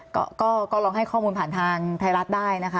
ก็ก็ลองให้ข้อมูลผ่านทางไทยรัฐได้นะคะ